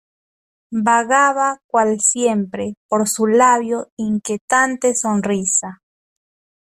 vagaba cual siempre, por su labio inquietante sonrisa